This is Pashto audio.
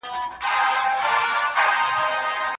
ستا پر مځکه بل څه نه وه؟ چي شاعر دي د پښتو کړم